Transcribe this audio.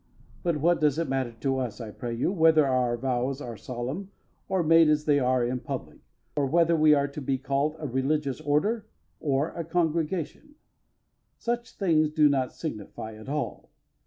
But what does it matter to us, I pray you, whether our vows are solemn, or made as they are in public, or whether we are to be called a Religious Order or a Congregation? Such things do not signify at all.